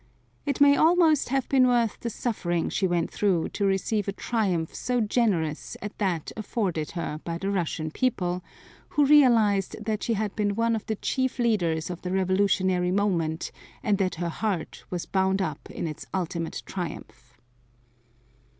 It may almost have been worth the suffering she went through to receive a triumph so generous as that afforded her by the Russian people, who realized that she had been one of the chief leaders of the revolutionary movement and that her heart was bound up in its ultimate triumph.